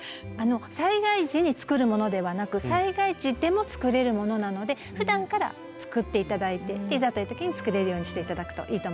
災害時に作るものではなく災害時でも作れるものなのでふだんから作って頂いていざという時に作れるようにして頂くといいと思います。